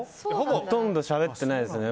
ほとんどしゃべっていないですね。